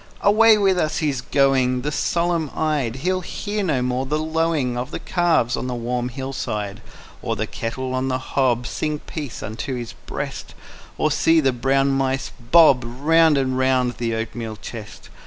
_ Away with us he's going, The solemn eyed: He'll hear no more the lowing Of the calves on the warm hillside; Or the kettle on the hob Sing peace into his breast, Or see the brown mice bob Round and round the oatmeal chest.